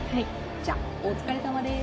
じゃお疲れさまです。